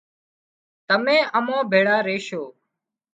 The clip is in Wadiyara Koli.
تمين امان ڀيۯا ريشو